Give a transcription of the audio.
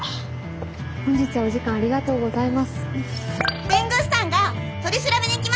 本日はお時間ありがとうございます。